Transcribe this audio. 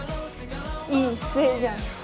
いい姿勢じゃん。